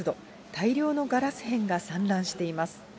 大量のガラス片が散乱しています。